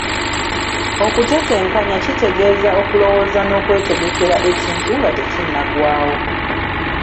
Okutetenkanya kitegeeza okulowooza n’okwetegekera ekintu nga tekinnagwawo.